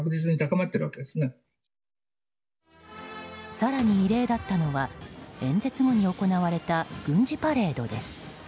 更に異例だったのは演説後に行われた軍事パレードです。